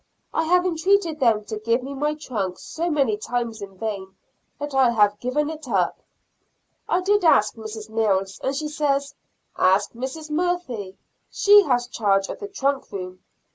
I have entreated them to give me my trunk so many times in vain that I have given it up. I did ask Mrs. Mills, and she says, "Ask Mrs. Murphy, she has charge of the trunk room."